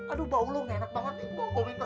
aduh baulung enak banget nih bu